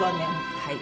はい。